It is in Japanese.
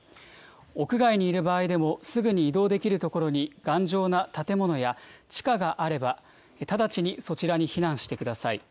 屋外にいる場合でも、すぐに移動できる所に、頑丈な建物や、地下があれば、直ちにそちらに避難してください。